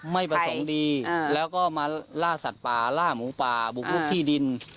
ไม่ประสงค์ดีแล้วก็มาล่าสัตว์ป่าล่าหมูป่าบุกลุกที่ดิน